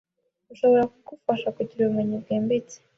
bishobora kugufasha kugira ubumenyi bwimbitse